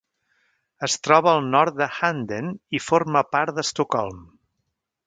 Es troba al nord de Handen i forma part d'Estocolm.